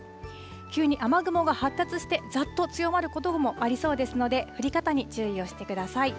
急に雨雲が発達してざっと強まることもありそうですので、降り方に注意をしてください。